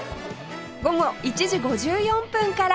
午後１時５４分から